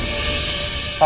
kamu dari mana aja